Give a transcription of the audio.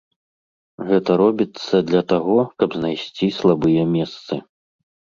Гэта робіцца для таго, каб знайсці слабыя месцы.